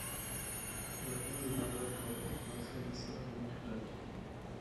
د هند اداره د توقف فاصله د سرعت له مخې ټاکي